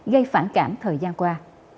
gây phản cảm thời gian qua